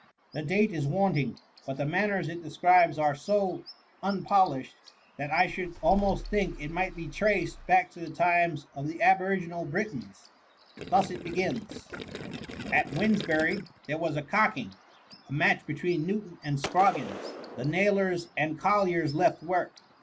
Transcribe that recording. The date is wanting, but the manners it describes are so unpolished, that I should almost think it might be traced back to the times of the aboriginal Britons. — Thus it begins :— At Wedneabuiy there was a cocking^ A match between Newton and Scroggins; The nailors and colliers left work.